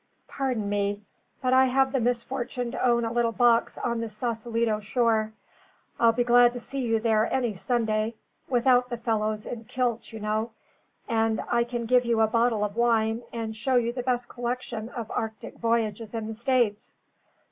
Pardon me. But I have the misfortune to own a little box on the Saucelito shore. I'll be glad to see you there any Sunday without the fellows in kilts, you know; and I can give you a bottle of wine, and show you the best collection of Arctic voyages in the States.